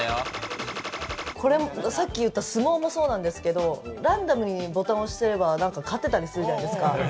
さっき言った相撲もそうですけど、ランダムにボタン押してれば勝てたりするじゃないですか。